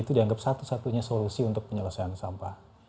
itu dianggap satu satunya solusi untuk penyelesaian sampah